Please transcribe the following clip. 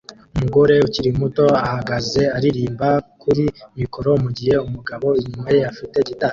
Umugore ukiri muto ahagaze aririmba kuri mikoro mugihe umugabo inyuma ye afite gitari